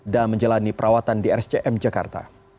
dan menjalani perawatan di rsjm jakarta